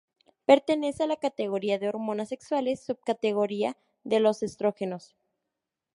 Pertenece a la categoría de hormonas sexuales, subcategoría de los estrógenos.